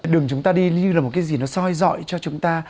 đường chúng ta đi như là một cái gì nó soi dọi cho chúng ta